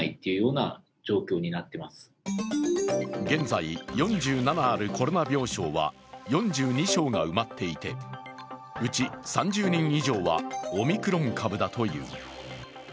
現在４７あるコロナ病床は４２床が埋まっていてうち３０人以上はオミクロン株だという。